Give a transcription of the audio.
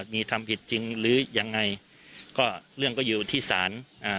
มีทำผิดจริงหรือยังไงก็เรื่องก็อยู่ที่ศาลอ่า